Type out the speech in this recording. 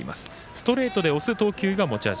ストレートで押す投球が持ち味。